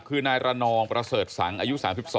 คือนายระนองประเสริฐสังอายุ๓๒